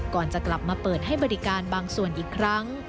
ก่อนจะกลับมาเปิดให้บริการบางส่วนอีกครั้ง